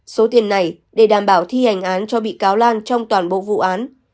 số tiền này để đảm bảo thi hành án cho bị cáo lan trong toàn bộ vụ án